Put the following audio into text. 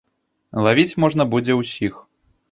Лавіць можна будзе ўсіх.